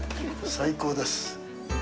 最高です。